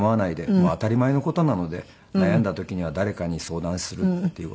もう当たり前の事なので悩んだ時には誰かに相談するっていう事が。